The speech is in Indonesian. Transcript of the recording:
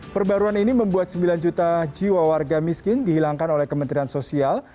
perbaruan ini membuat sembilan juta jiwa warga miskin dihilangkan oleh kementerian sosial